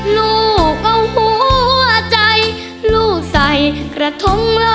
ลูกเอาหัวใจลูกใส่กระทงหล่อ